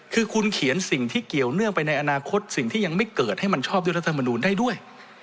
คือคุณเขียนสิ่งที่เกี่ยวเนื่องไปในอนาคตสิ่งที่ยังไม่เกิดให้มันชอบด้วยรัฐมนูลได้ด้วย